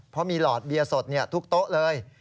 เพราะมีหลอดเบียร์สดทุกโต๊ะเลย